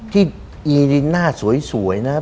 ที่อีหน้าสวยนะ